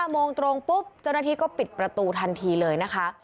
โมงตรงปุ๊บเจ้าหน้าที่ก็ปิดประตูทันทีเลยนะคะ